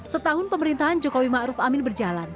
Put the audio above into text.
setahun pemerintahan jokowi ma'ruf amin berjalan